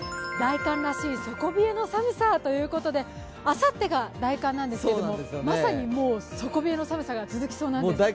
大寒らしい底冷えの寒さということであさってが大寒なんですが、まさに底冷えの寒さが続きそうなんです。